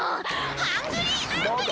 ハングリーアングリー！